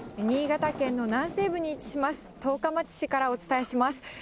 新潟県の南西部に位置します、十日町市からお伝えします。